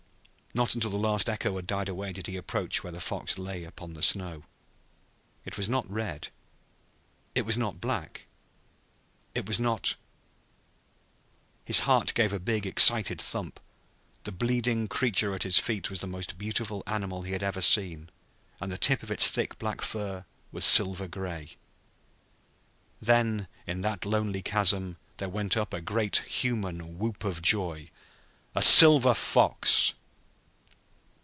Not until the last echo had died away did he approach where the fox lay upon the snow. It was not red. It was not black. It was not His heart gave a big excited thump. The bleeding creature at his feet was the most beautiful animal he had ever seen and the tip of its thick black fur was silver gray. Then, in that lonely chasm, there went up a great human whoop of joy. "A silver fox!"